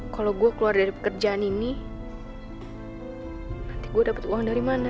kalau gue keluar dari pekerjaan ini nanti gue dapat uang dari mana